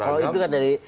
kalau itu kan dari